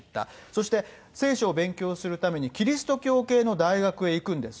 そして聖書を勉強するためにキリスト教系の大学に行くんです。